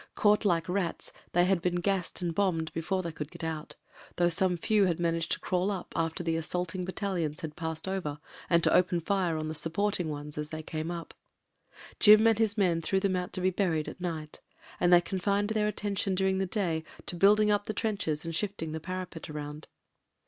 Caught like rats, they had been gassed and bombed before they could get out, though some few had managed to crawl up after the assaulting bat talions had passed over and to open fire on the sup porting ones as they came up. Jim and his men threw them out to be buried at night, and they confined their attention during the day to building up the trenches land shifting the parapet round.